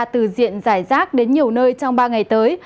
từ diện giải rác đến nhiều nơi trong ba ngày tới